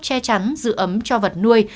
che chắn giữ ấm cho vật nuôi